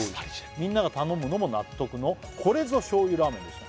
「みんなが頼むのも納得のこれぞ醤油ラーメンでした」